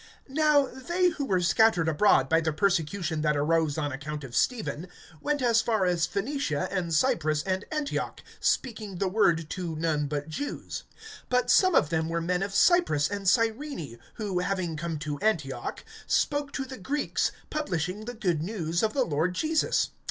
(19)Now they who were scattered abroad by the persecution that arose on account of Stephen, went as far as Phoenicia, and Cyprus, and Antioch, speaking the word to none but Jews. (20)But some of them were men of Cyprus and Cyrene, who, having come to Antioch, spoke to the Greeks, publishing the good news of the Lord Jesus.